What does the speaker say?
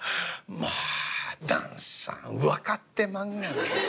『まあ旦さん分かってまんがな。